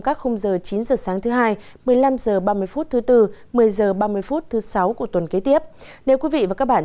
các khung giờ chín h sáng thứ hai một mươi năm h ba mươi phút thứ bốn một mươi h ba mươi phút thứ sáu của tuần kế tiếp nếu quý vị và các bạn